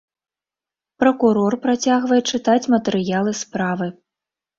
Пракурор працягвае чытаць матэрыялы справы.